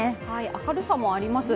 明るさもあります。